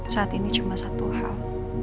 saat ini cuma satu hal